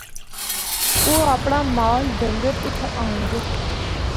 او اپنڑا مال ڈنگر اِتھا آنڑدے ہن۔